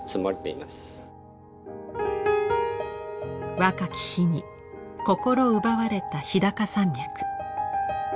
若き日に心奪われた日高山脈。